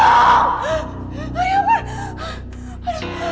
aduh gimana ini